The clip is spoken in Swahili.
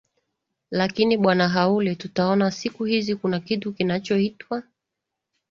lakini bwana haule tunaona siku hizi kuna kitu kinachoitwa